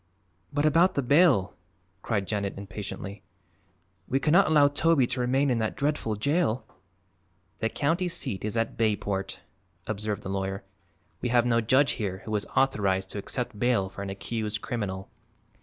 "But about the bail," cried Janet impatiently. "We cannot allow Toby to remain in that dreadful jail!" "The county seat is at Bayport," observed the lawyer. "We have no judge here who is authorized to accept bail for an accused criminal.